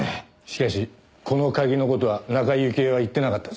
しかしこの鍵の事は中井雪絵は言ってなかったぞ。